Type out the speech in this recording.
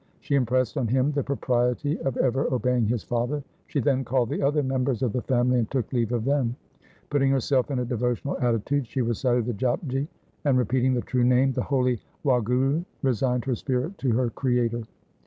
She impressed on him the propriety of ever obeying his father. She then called the other members of the family and took leave of them. Putting herself in a devotional attitude she recited the Japji, and repeating the true Name, the holy Wahguru, re signed her spirit to her Creator.